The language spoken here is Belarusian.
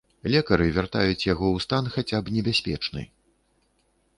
Лекары вяртаюць яго ў стан хаця б небяспечны.